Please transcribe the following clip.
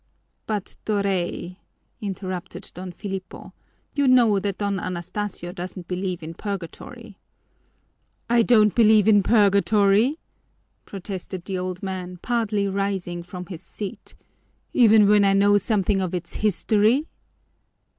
"But, Doray," interrupted Don Filipo, "you know that Don Anastasio doesn't believe in purgatory." "I don't believe in purgatory!" protested the old man, partly rising from his seat. "Even when I know something of its history!"